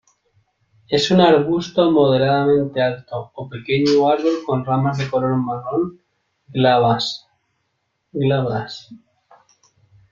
Es un arbusto moderadamente alto o pequeño árbol con ramas de color marrón, glabras.